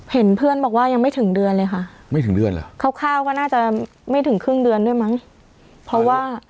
เห็นเพื่อนบอกว่ายังไม่ถึงเดือนเลยค่ะไม่ถึงเดือนเหรอคร่าวก็น่าจะไม่ถึงครึ่งเดือนด้วยมั้งเพราะว่า